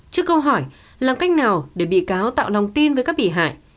trước câu hỏi làm cách nào để bị cáo tạo lòng tin với các bị hại